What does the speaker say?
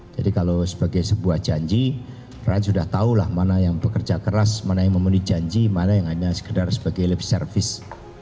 jadi kalau sebagai sebuah janji orang sudah tahu lah mana yang bekerja keras mana yang memenuhi janji mana yang hanya sekedar sebagai lip service